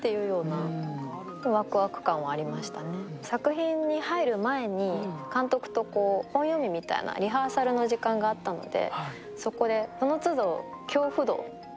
作品に入る前に監督と本読みみたいなリハーサルの時間があったので。